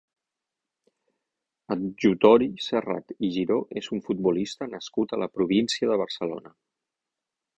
Adjutori Serrat i Giró és un futbolista nascut a la província de Barcelona.